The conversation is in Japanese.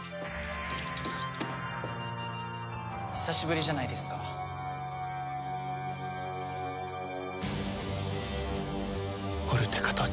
久しぶりじゃないですか。